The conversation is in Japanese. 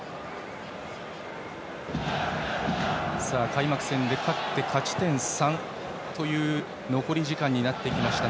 開幕戦で勝って勝ち点３という残り時間になってきました。